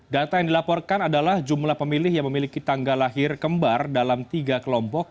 data yang dilaporkan adalah jumlah pemilih yang memiliki tanggal lahir kembar dalam tiga kelompok